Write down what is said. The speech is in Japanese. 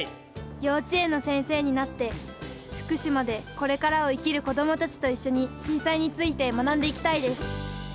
幼稚園の先生になって福島でこれからを生きる子供たちと一緒に震災について学んでいきたいです。